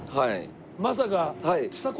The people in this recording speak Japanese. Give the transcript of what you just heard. まさか。